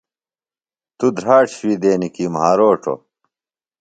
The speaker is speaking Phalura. توۡ دھراڇ شوی دینِیۡ کِہ مھاروڇوۡ؟